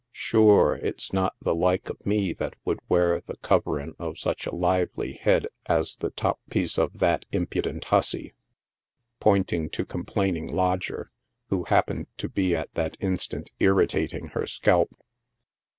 Shure, it's not the like of me that would wear the koveriu of such a lively head as the top piece of that im pudent hussy," pointing to complaining lodger, who happened to be at that instant irritating her scalp.